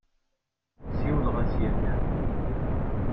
Siwleɣ-as yakan.